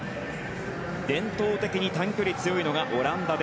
伝統的に短距離に強いのがオランダ。